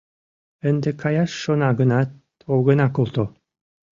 — Ынде каяш шона гынат, огына колто!